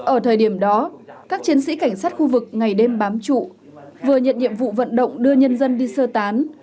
ở thời điểm đó các chiến sĩ cảnh sát khu vực ngày đêm bám trụ vừa nhận nhiệm vụ vận động đưa nhân dân đi sơ tán